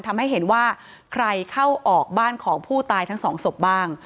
ทำให้เห็นว่าใครเข้าออกบ้านของผู้ตายทั้งสองศพบ้าง